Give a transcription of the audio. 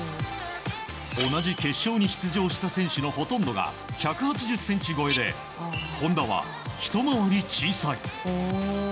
同じ決勝に出場した選手のほとんどが１８０ｃｍ超えで本多は、ひと回り小さい。